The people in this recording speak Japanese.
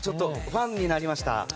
ファンになりました。